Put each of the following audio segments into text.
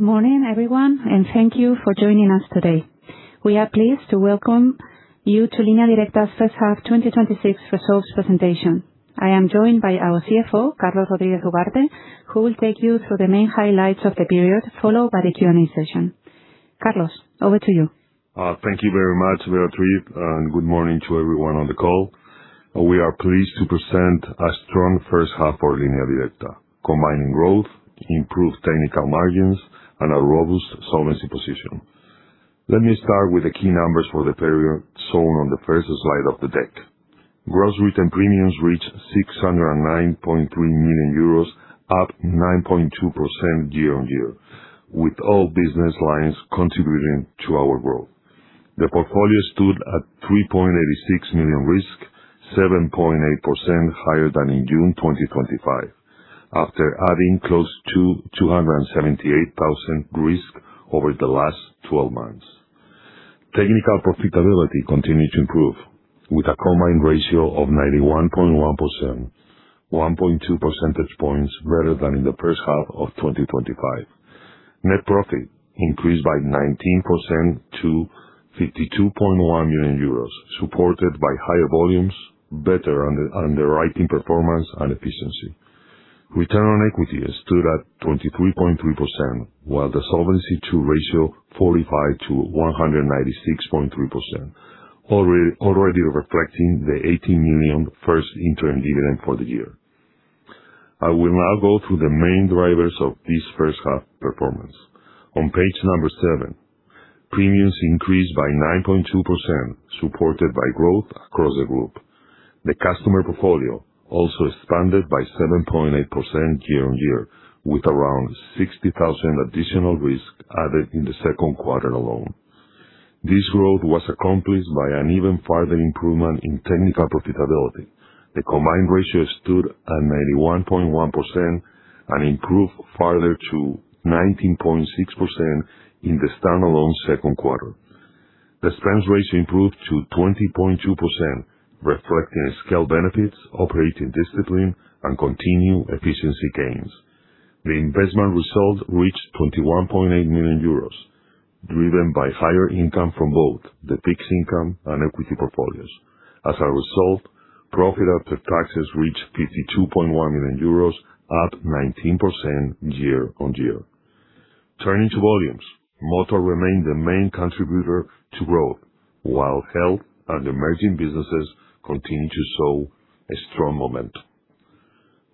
Morning, everyone, thank you for joining us today. We are pleased to welcome you to Línea Directa's first half 2026 results presentation. I am joined by our CFO, Carlos Rodríguez Ugarte, who will take you through the main highlights of the period, followed by the Q&A session. Carlos, over to you. Thank you very much, Beatriz, good morning to everyone on the call. We are pleased to present a strong first half for Línea Directa, combining growth, improved technical margins, and a robust solvency position. Let me start with the key numbers for the period shown on the first slide of the deck. Gross written premiums reached 609.3 million euros, up 9.2% year-on-year, with all business lines contributing to our growth. The portfolio stood at 3.86 million risk, 7.8% higher than in June 2025, after adding close to 278,000 risk over the last 12 months. Technical profitability continued to improve, with a combined ratio of 91.1%, 1.2 percentage points better than in the first half of 2025. Net profit increased by 19% to 52.1 million euros, supported by higher volumes, better underwriting performance, and efficiency. Return on equity stood at 23.3%, while the Solvency II ratio fortified to 196.3%, already reflecting the 18 million first interim dividend for the year. I will now go through the main drivers of this first half performance. On page number seven, premiums increased by 9.2%, supported by growth across the group. The customer portfolio also expanded by 7.8% year-on-year, with around 60,000 additional risk added in the second quarter alone. This growth was accomplished by an even further improvement in technical profitability. The combined ratio stood at 91.1% and improved further to 19.6% in the standalone second quarter. The expense ratio improved to 20.2%, reflecting scale benefits, operating discipline, and continued efficiency gains. The investment result reached 21.8 million euros, driven by higher income from both the fixed income and equity portfolios. Profit after taxes reached 52.1 million euros, up 19% year-on-year. Turning to volumes, Motor remained the main contributor to growth, while health and emerging businesses continued to show a strong momentum.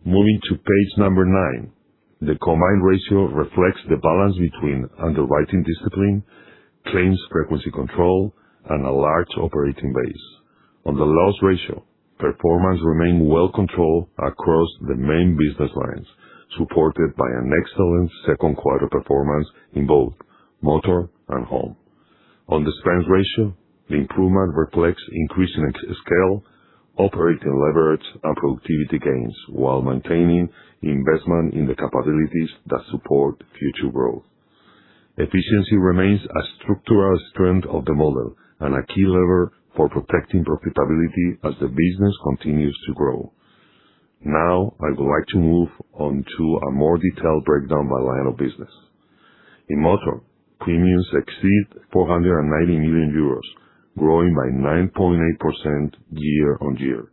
Moving to page number nine, the combined ratio reflects the balance between underwriting discipline, claims frequency control, and a large operating base. The loss ratio, performance remained well controlled across the main business lines, supported by an excellent second quarter performance in both Motor and Home. On the expense ratio, the improvement reflects increasing scale, operating leverage, and productivity gains while maintaining investment in the capabilities that support future growth. Efficiency remains a structural strength of the model and a key lever for protecting profitability as the business continues to grow. I would like to move on to a more detailed breakdown by line of business. Motor, premiums exceed 490 million euros, growing by 9.8% year-on-year.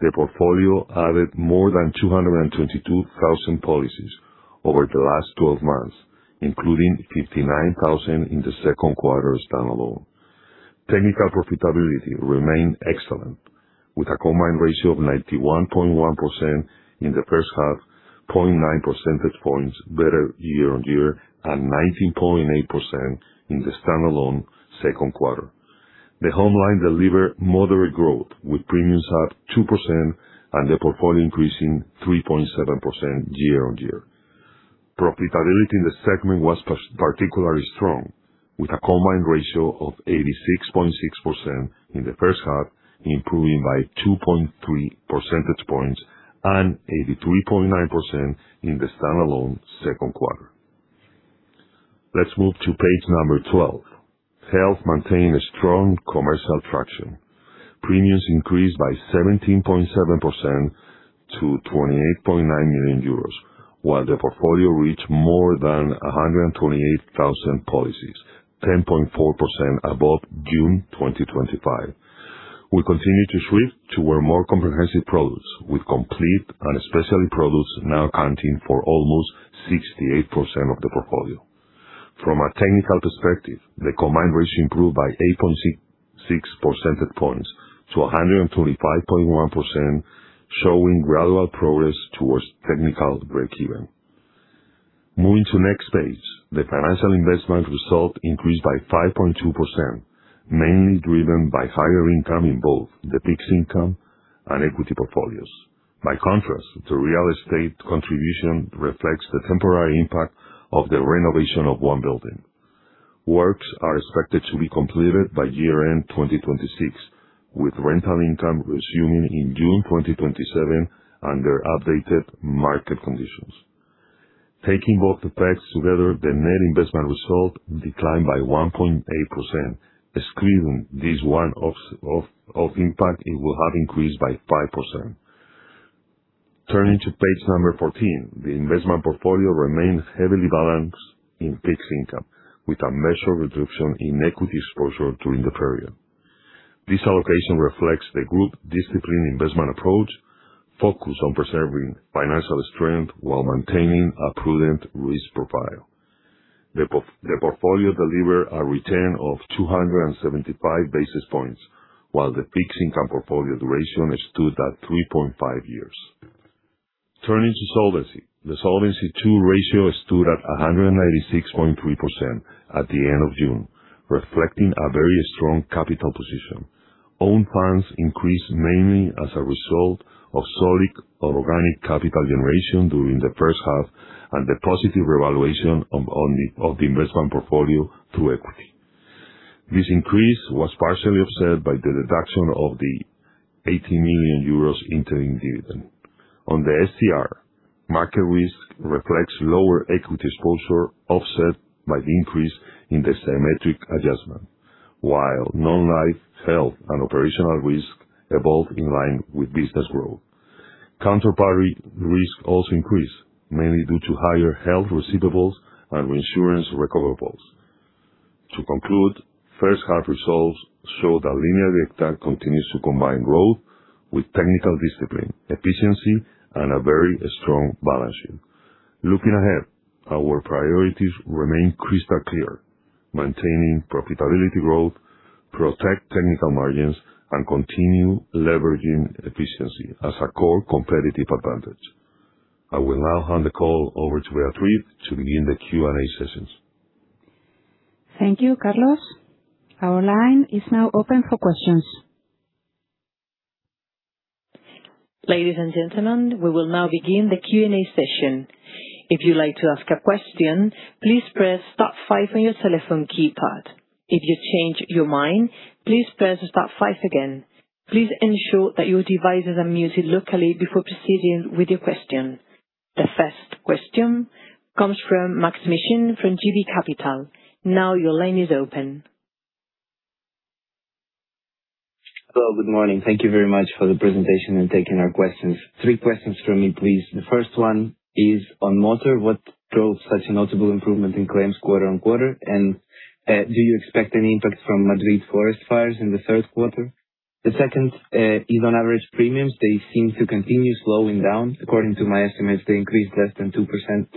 The portfolio added more than 222,000 policies over the last 12 months, including 59,000 in the second quarter standalone. Technical profitability remained excellent, with a combined ratio of 91.1% in the first half, 0.9 percentage points better year-over-year, and 19.8% in the standalone second quarter. The home line delivered moderate growth, with premiums up 2% and the portfolio increasing 3.7% year-over-year. Profitability in the segment was particularly strong, with a combined ratio of 86.6% in the first half, improving by 2.3 percentage points, and 83.9% in the standalone second quarter. Let's move to page number 12. Health maintained a strong commercial traction. Premiums increased by 17.7% to 28.9 million euros, while the portfolio reached more than 128,000 policies, 10.4% above June 2025. We continue to shift toward more comprehensive products, with complete and specialty products now accounting for almost 68% of the portfolio. From a technical perspective, the combined ratio improved by 8.6 percentage points to 125.1%, showing gradual progress towards technical breakeven. Moving to next page. The financial investment result increased by 5.2%, mainly driven by higher income in both the fixed income and equity portfolios. By contrast, the real estate contribution reflects the temporary impact of the renovation of one building. Works are expected to be completed by year-end 2026, with rental income resuming in June 2027 under updated market conditions. Taking both effects together, the net investment result declined by 1.8%. Excluding this one-off impact, it will have increased by 5%. Turning to page number 14. The investment portfolio remains heavily balanced in fixed income, with a measured reduction in equity exposure during the period. This allocation reflects the group discipline investment approach, focused on preserving financial strength while maintaining a prudent risk profile. The portfolio delivered a return of 275 basis points, while the fixed income portfolio duration stood at three point five years. Turning to solvency. The Solvency II ratio stood at 196.3% at the end of June, reflecting a very strong capital position. Own funds increased mainly as a result of solid organic capital generation during the first half and the positive revaluation of the investment portfolio through equity. This increase was partially offset by the deduction of the 18 million euros interim dividend. On the SCR, market risk reflects lower equity exposure offset by the increase in the symmetric adjustment. While non-life, health, and operational risk evolved in line with business growth. Counterparty risk also increased, mainly due to higher health receivables and reinsurance recoverables. To conclude, first half results show that Línea Directa continues to combine growth with technical discipline, efficiency, and a very strong balance sheet. Looking ahead, our priorities remain crystal clear: maintaining profitability growth, protect technical margins, and continue leveraging efficiency as a core competitive advantage. I will now hand the call over to Beatriz to begin the Q&A sessions. Thank you, Carlos. Our line is now open for questions. Ladies and gentlemen, we will now begin the Q&A session. If you'd like to ask a question, please press star five on your telephone keypad. If you change your mind, please press star five again. Please ensure that your devices are muted locally before proceeding with your question. The first question comes from Maks Mishyn from JB Capital. Your line is open. Hello. Good morning. Thank you very much for the presentation and taking our questions. Three questions from me, please. The first one is on Motor. What drove such a notable improvement in claims quarter-on-quarter? Do you expect any impact from Madrid forest fires in the third quarter? The second is on average premiums. They seem to continue slowing down. According to my estimates, they increased less than 2%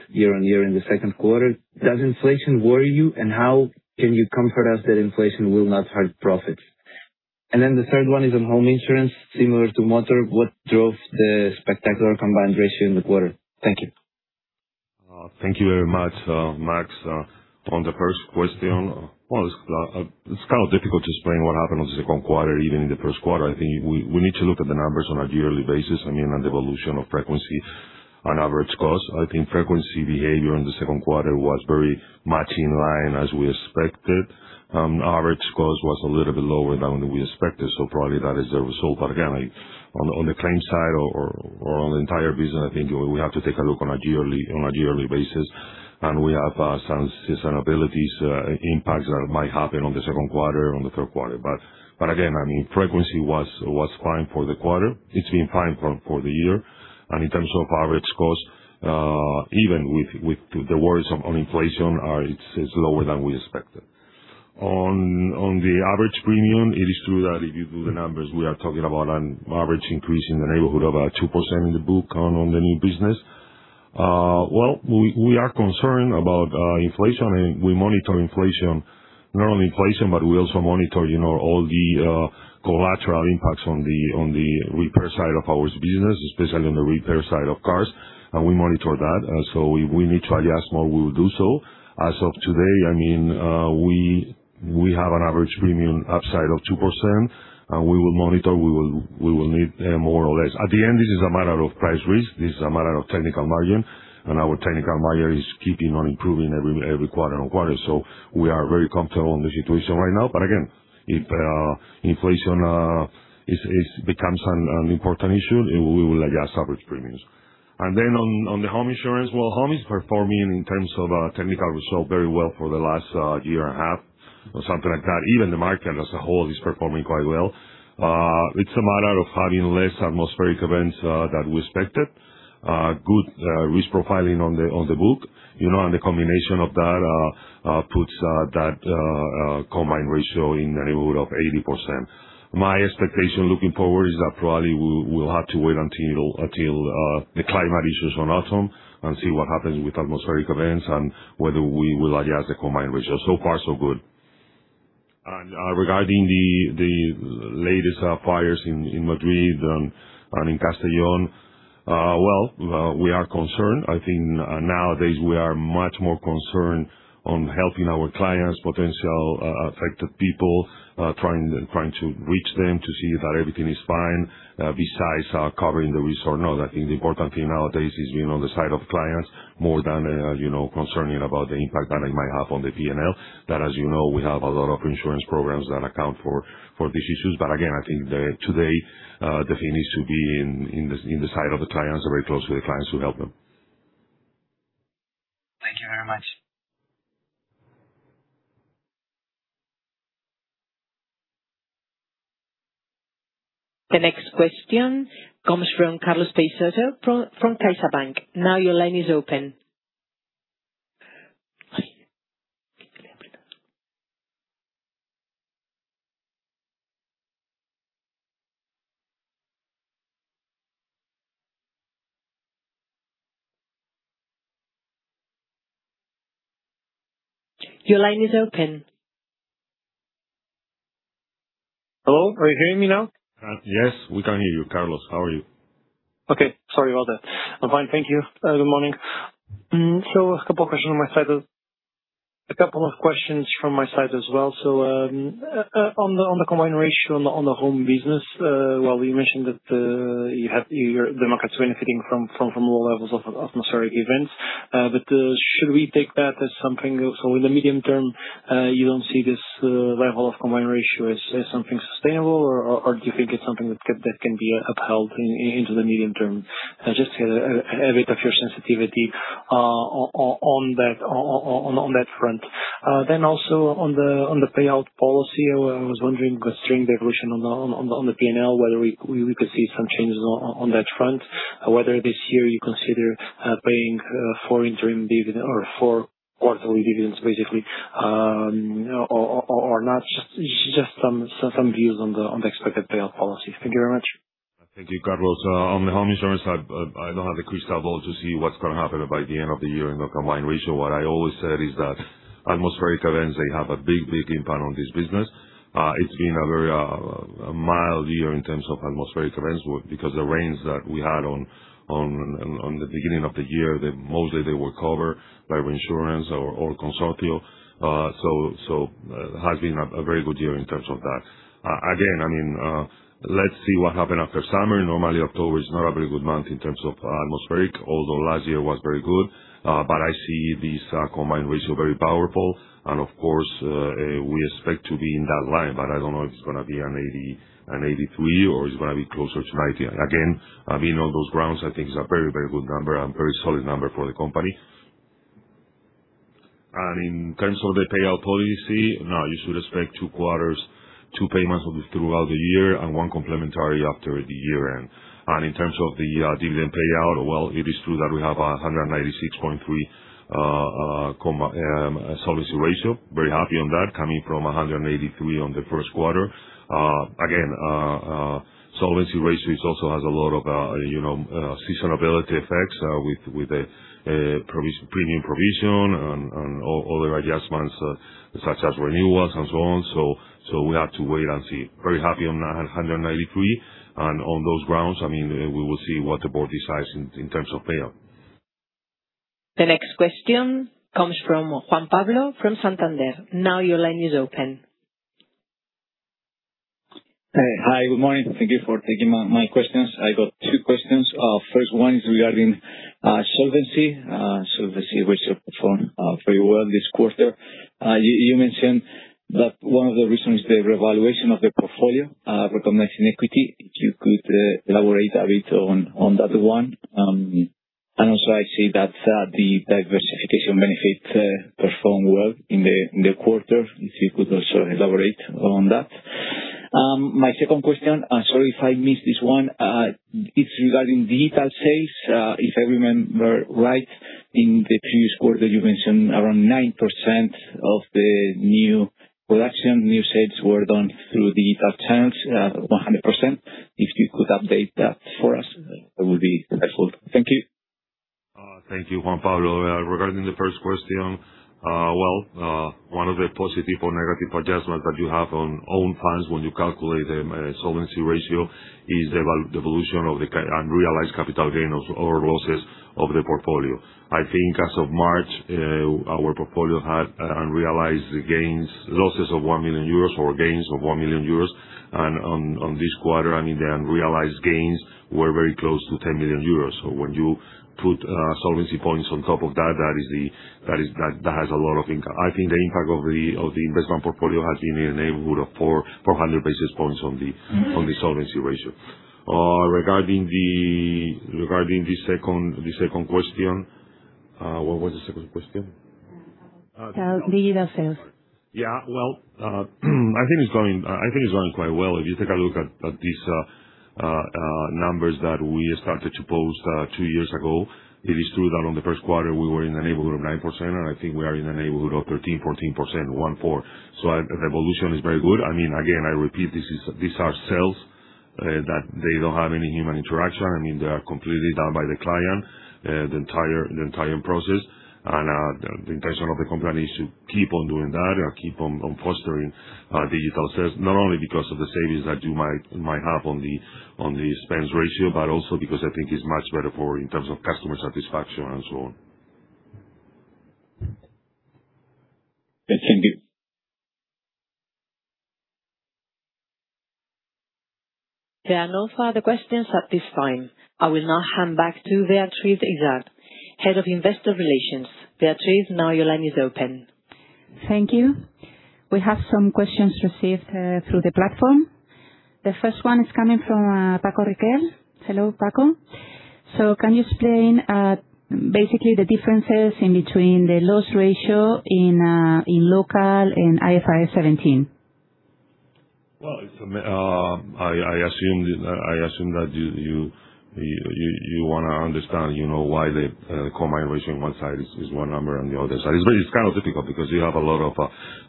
year-on-year in the second quarter. Does inflation worry you? How can you comfort us that inflation will not hurt profits? The third one is on Home insurance. Similar to Motor, what drove the spectacular combined ratio in the quarter? Thank you. Thank you very much, Maks. On the first question, well, it's kind of difficult to explain what happened on the second quarter, even in the first quarter. I think we need to look at the numbers on a yearly basis. I mean, on the evolution of frequency on average cost. I think frequency behavior in the second quarter was very much in line as we expected. Average cost was a little bit lower than we expected, so probably that is the result. Again, on the claim side or on the entire business, I think we have to take a look on a yearly basis. We have some sustainability impacts that might happen on the second quarter, on the third quarter. Again, frequency was fine for the quarter. It's been fine for the year. In terms of average cost, even with the worries on inflation, it is lower than we expected. The average premium, it is true that if you do the numbers, we are talking about an average increase in the neighborhood of 2% in the book on the new business. We are concerned about inflation, and we monitor inflation. Not only inflation, but we also monitor all the collateral impacts on the repair side of our business, especially on the repair side of cars. We monitor that. If we need to adjust more, we will do so. As of today, we have an average premium upside of 2%, and we will monitor. We will need more or less. This is a matter of price risk. This is a matter of technical margin. Our technical margin is keeping on improving every quarter-on-quarter. We are very comfortable on the situation right now. If inflation becomes an important issue, we will adjust average premiums. On the Home insurance. Home is performing in terms of technical result very well for the last year and a half or something like that. Even the market as a whole is performing quite well. It is a matter of having less atmospheric events, that we expected, good risk profiling on the book. The combination of that puts that combined ratio in the neighborhood of 80%. My expectation looking forward is that probably we will have to wait until the climate issues on autumn and see what happens with atmospheric events and whether we will adjust the combined ratio. So far so good. Regarding the latest fires in Madrid and in Castellón. I think nowadays we are much more concerned on helping our clients, potential affected people, trying to reach them to see that everything is fine, besides covering the risk or not. I think the important thing nowadays is being on the side of clients more than concerning about the impact that it might have on the P&L. That, as you know, we have a lot of insurance programs that account for these issues. I think today, the thing is to be in the side of the clients or very close to the clients to help them. The next question comes from Carlos Peixoto from Caixabank. Your line is open. Your line is open. Hello. Are you hearing me now? Yes, we can hear you, Carlos. How are you? Okay. Sorry about that. I'm fine, thank you. Good morning. A couple of questions from my side as well. On the combined ratio on the Home business, while we mentioned that the market's benefiting from low levels of atmospheric events. Should we take that as something, in the medium term, you don't see this level of combined ratio as something sustainable or do you think it's something that can be upheld into the medium term? Just to get a bit of your sensitivity on that front. Also on the payout policy, I was wondering the string devolution on the P&L, whether we could see some changes on that front, whether this year you consider paying four interim dividend or four quarterly dividends, basically, or not. Just some views on the expected payout policy. Thank you very much. Thank you, Carlos. On the Home insurance side, I don't have a crystal ball to see what's going to happen by the end of the year in the combined ratio. What I always said is that atmospheric events, they have a big impact on this business. It's been a very mild year in terms of atmospheric events, because the rains that we had on the beginning of the year, mostly they were covered by reinsurance or consortium. It has been a very good year in terms of that. Again, let's see what happen after summer. Normally, October is not a very good month in terms of atmospheric, although last year was very good. I see this combined ratio very powerful. Of course, we expect to be in that line, I don't know if it's going to be an 83% or it's going to be closer to 90%. Again, being on those grounds, I think it's a very, very good number and very solid number for the company. In terms of the payout policy, now you should expect two quarters, two payments throughout the year, and one complementary after the year-end. In terms of the dividend payout, well, it is true that we have a 196.3% solvency ratio. Very happy on that, coming from a 183% on the first quarter. Again, solvency ratio is also has a lot of seasonability effects, with the premium provision and all other adjustments such as renewals and so on. We have to wait and see. Very happy on a 193%, on those grounds, we will see what the board decides in terms of payout. The next question comes from Juan Pablo from Santander. Now your line is open. Hi, good morning. Thank you for taking my questions. I got two questions. First one is regarding solvency. Solvency ratio performed very well this quarter. You mentioned that one of the reasons the revaluation of the portfolio recognized in equity. If you could elaborate a bit on that one. Also I see that the diversification benefit performed well in the quarter. If you could also elaborate on that. My second question, sorry if I missed this one. It's regarding digital sales. If I remember right, in the previous quarter, you mentioned around 9% of the new production, new sales were done through digital channels, 100%. If you could update that for us, that would be helpful. Thank you. Thank you, Juan Pablo. Regarding the first question, well, one of the positive or negative adjustments that you have on own funds when you calculate the solvency ratio is the devolution of the unrealized capital gain or losses of the portfolio. I think as of March, our portfolio had unrealized losses of 1 million euros or gains of 1 million euros. On this quarter, the unrealized gains were very close to 10 million euros. When you put solvency points on top of that has a lot of impact. I think the impact of the investment portfolio has been in the neighborhood of 400 basis points on the solvency ratio. Regarding the second question. What was the second question? The digital sales. Yeah. Well, I think it's going quite well. If you take a look at these numbers that we started to post two years ago, it is true that on the first quarter we were in the neighborhood of 9%, and I think we are in the neighborhood of 13%, 14%, [14%]. The evolution is very good. Again, I repeat, these are sales that they don't have any human interaction. They are completely done by the client, the entire process. The intention of the company is to keep on doing that or keep on fostering digital sales, not only because of the savings that you might have on the expense ratio, but also because I think it's much better for in terms of customer satisfaction and so on. Thank you. There are no further questions at this time. I will now hand back to Beatriz Izard, Head of Investor Relations. Beatriz, your line is open. Thank you. We have some questions received through the platform. The first one is coming from Paco Riquel. Hello, Paco. Can you explain basically the differences in between the loss ratio in local and IFRS 17? Well, I assume that you want to understand why the combined ratio in one side is one number and the other side. It's very kind of difficult because you have a lot of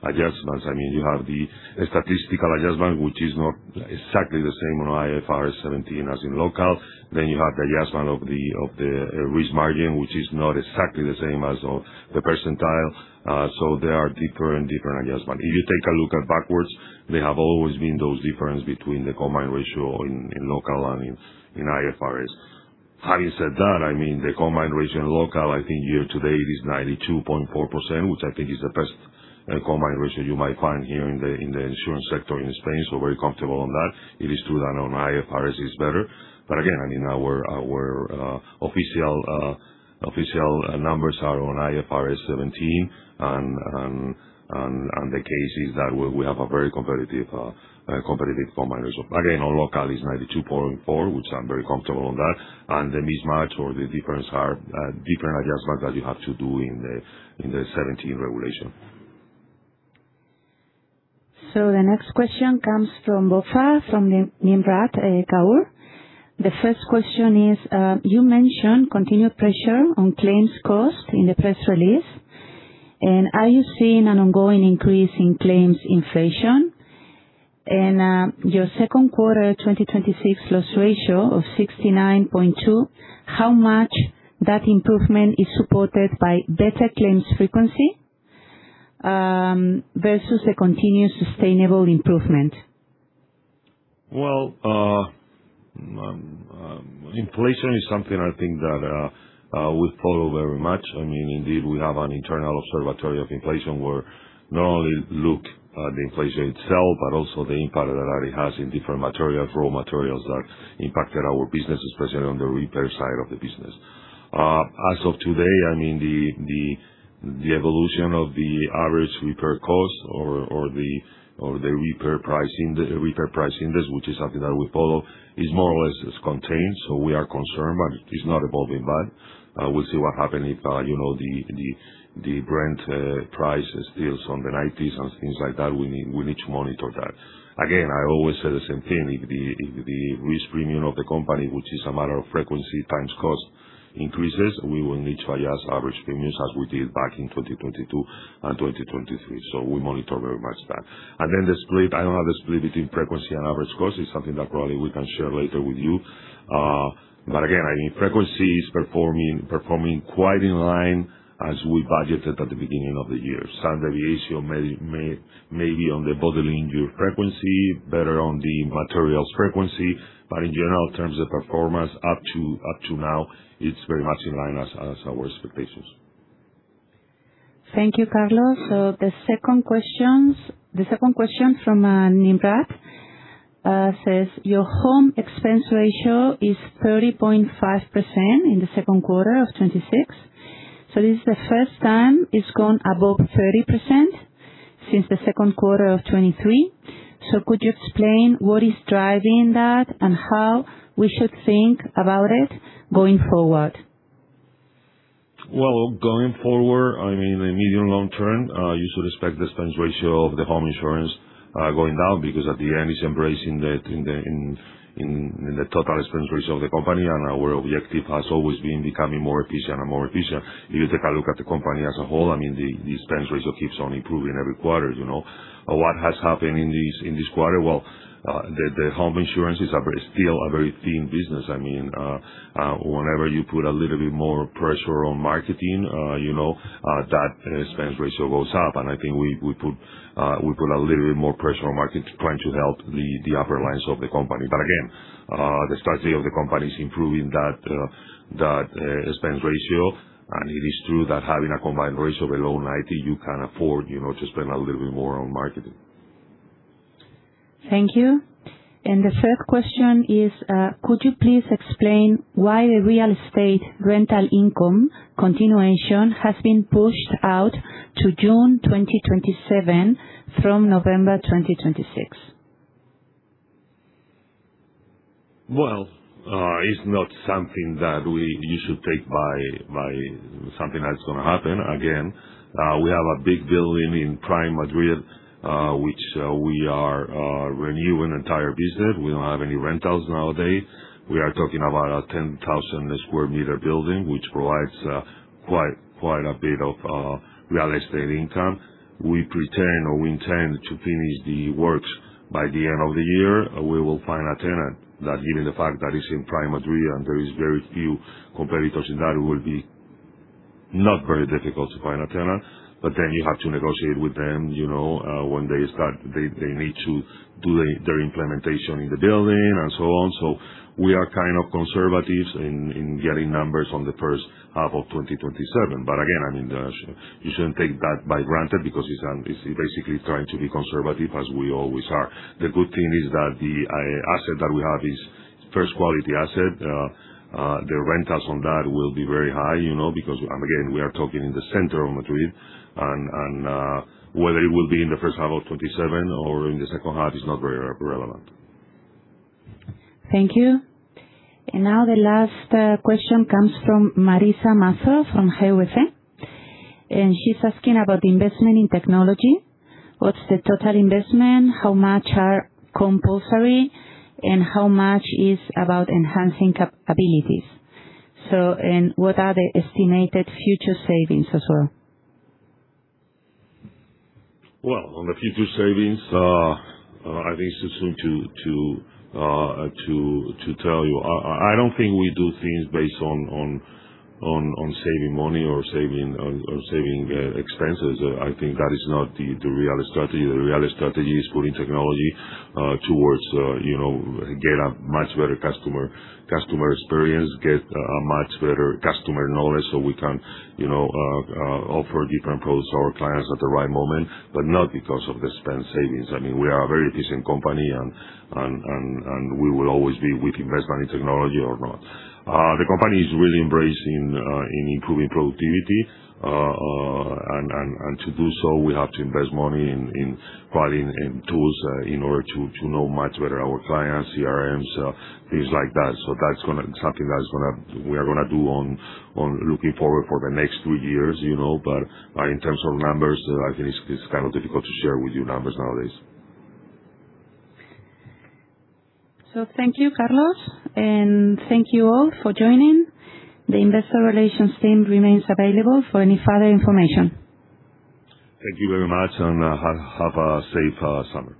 adjustments. You have the statistical adjustment, which is not exactly the same on IFRS 17 as in local. You have the adjustment of the risk margin, which is not exactly the same as the percentile. They are different adjustment. If you take a look at backwards, there have always been those difference between the combined ratio in local and in IFRS. Having said that, the combined ratio in local, I think year-to-date is 92.4%, which I think is the best combined ratio you might find here in the insurance sector in Spain. Very comfortable on that. It is true that on IFRS it's better. Again, our official numbers are on IFRS 17, and the case is that we have a very competitive combined ratio. Again, on local it's 92.4%, which I'm very comfortable on that. The mismatch or the difference are different adjustments that you have to do in the 2017 regulation. The next question comes from BofA, from Nimrat Kaur. The first question is, you mentioned continued pressure on claims cost in the press release. Are you seeing an ongoing increase in claims inflation? Your second quarter 2026 loss ratio of 69.2%, how much that improvement is supported by better claims frequency, versus a continued sustainable improvement? Inflation is something I think that we follow very much. Indeed, we have an internal observatory of inflation where we not only look at the inflation itself, but also the impact that it has in different materials, raw materials that impacted our business, especially on the repair side of the business. As of today, the evolution of the average repair cost or the repair price index, which is something that we follow, is more or less contained. We are concerned, but it's not evolving bad. We will see what happen if the Brent price stays on the nineties and things like that. We need to monitor that. Again, I always say the same thing. If the risk premium of the company, which is a matter of frequency times cost, increases, we will need to adjust average premiums as we did back in 2022 and 2023. We monitor very much that. The split. I don't have the split between frequency and average cost. It's something that probably we can share later with you. Again, frequency is performing quite in line as we budgeted at the beginning of the year. Some deviation maybe on the bodily injury frequency, better on the materials frequency. In general, terms of performance up to now, it's very much in line as our expectations. Thank you, Carlos. The second question from Nimrat says, your home expense ratio is 30.5% in the second quarter of 2026. This is the first time it's gone above 30% since the second quarter of 2023. Could you explain what is driving that and how we should think about it going forward? Well, going forward, in the medium long-term, you should expect the expense ratio of the Home insurance going down, because at the end, it's embracing the total expense ratio of the company. Our objective has always been becoming more efficient and more efficient. If you take a look at the company as a whole, the expense ratio keeps on improving every quarter. What has happened in this quarter? Well, the home insurance is still a very thin business. Whenever you put a little bit more pressure on marketing, that expense ratio goes up. I think we put a little bit more pressure on market trying to help the upper lines of the company. Again, the strategy of the company is improving that expense ratio, and it is true that having a combined ratio below 90%, you can afford to spend a little bit more on marketing. Thank you. The third question is, could you please explain why the real estate rental income continuation has been pushed out to June 2027 from November 2026? Well, it's not something that you should take by something that's going to happen. Again, we have a big building in prime Madrid, which we are renewing entire business. We don't have any rentals nowadays. We are talking about a 10,000 sq m building, which provides quite a bit of real estate income. We pretend or we intend to finish the works by the end of the year. We will find a tenant that given the fact that it's in prime Madrid and there is very few competitors in that, will be not very difficult to find a tenant. You have to negotiate with them, when they start, they need to do their implementation in the building and so on. We are kind of conservative in getting numbers on the first half of 2027. Again, you shouldn't take that by granted because it's basically trying to be conservative as we always are. The good thing is that the asset that we have is first quality asset. The rentals on that will be very high, because, again, we are talking in the center of Madrid, and whether it will be in the first half of 2027 or in the second half is not very relevant. Thank you. Now the last question comes from Marisa Mazo, from [GVC Gaesco]. She's asking about the investment in technology. What's the total investment? How much are compulsory? How much is about enhancing capabilities? What are the estimated future savings as well? Well, on the future savings, I think it's too soon to tell you. I don't think we do things based on saving money or saving expenses. I think that is not the real strategy. The real strategy is putting technology towards get a much better customer experience, get a much better customer knowledge so we can offer different products to our clients at the right moment, but not because of the spend savings. We are a very efficient company and we will always be with investment in technology or not. The company is really embracing in improving productivity. To do so, we have to invest money in tools in order to know much better our clients, CRMs, things like that. That's something that we are going to do on looking forward for the next two years. In terms of numbers, I think it's kind of difficult to share with you numbers nowadays. Thank you, Carlos, and thank you all for joining. The investor relations team remains available for any further information. Thank you very much, and have a safe summer.